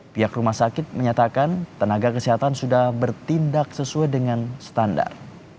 pihak rumah sakit menyatakan tenaga kesehatan sudah bertindak sesuai dengan standar